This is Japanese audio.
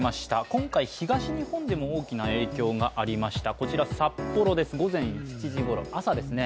今回東日本でも大きな影響がありました。